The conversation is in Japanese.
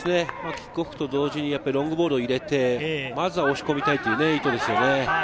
キックオフと同時にロングボールを入れて、まずは押し込みたいという意図ですね。